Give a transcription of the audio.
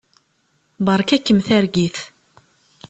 Beṛka-kem targit.